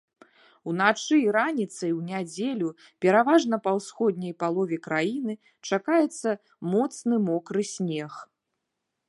Уначы і раніцай у нядзелю пераважна па ўсходняй палове краіны чакаецца моцны мокры снег.